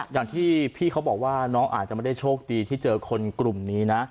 อย่างที่พี่เขาบอกว่าน้องอาจจะไม่ได้โชคดีที่เจอคนกลุ่มนี้นะ